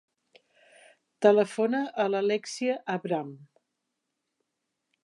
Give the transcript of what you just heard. Telefona a l'Alèxia Avram.